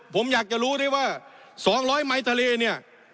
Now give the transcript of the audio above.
ผมอยากจะรู้ได้ว่า๒๐๐ไมค์ทะเลเนี่ย